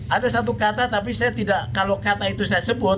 ada satu kata tapi saya tidak kalau kata itu saya sebut